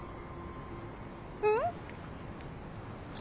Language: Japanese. うん？